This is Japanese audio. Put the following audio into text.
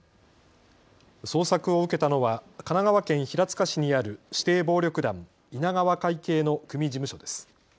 捜索を受けたのは神奈川県平塚市にある指定暴力団稲川会系の組事務所です。